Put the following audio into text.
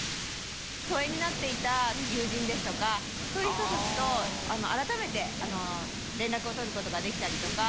疎遠になっていた友人ですとか、そういう人たちと改めて連絡を取ることができたりとか。